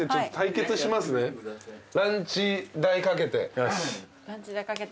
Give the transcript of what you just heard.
ランチ代かけて。